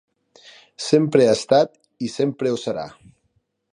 Sempre ha estat i sempre ho serà.